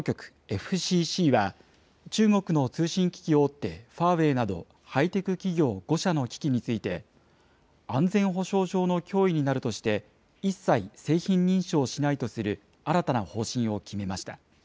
ＦＣＣは、中国の通信機器大手、ファーウェイなど、ハイテク企業５社の機器について、安全保障上の脅威になるとして、一切、製品認証しないとする、新たな方針を決めました。